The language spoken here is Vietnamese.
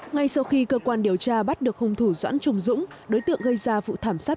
ngay sau khi cơ quan điều tra bắt được hung thủ doãn trùng dũng đối tượng gây ra vụ thảm sát